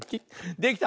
できた！